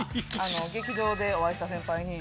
劇場でお会いした先輩に。